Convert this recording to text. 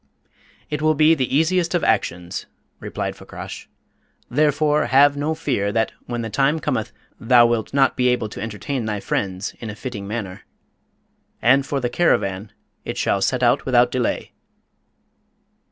"It will be the easiest of actions," replied Fakrash; "therefore, have no fear that, when the time cometh, thou wilt not be able to entertain thy friends in a fitting manner. And for the caravan, it shall set out without delay."